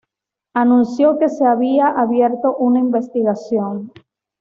Anunció que se había abierto una investigación.